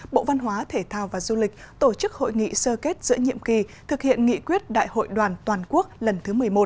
bộ văn hóa thể thao và du lịch tổ chức hội nghị sơ kết giữa nhiệm kỳ thực hiện nghị quyết đại hội đoàn toàn quốc lần thứ một mươi một